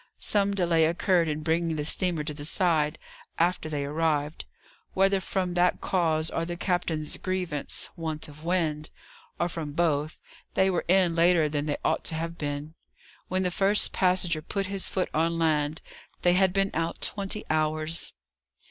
Some delay occurred in bringing the steamer to the side, after they arrived. Whether from that cause, or the captain's grievance want of wind or from both, they were in later than they ought to have been. When the first passenger put his foot on land, they had been out twenty hours.